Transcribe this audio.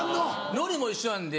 「則」も一緒なんで。